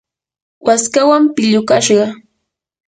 waskawan pillukashqa.